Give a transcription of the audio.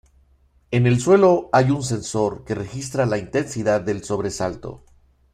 En el suelo hay un sensor que registra la intensidad del sobresalto.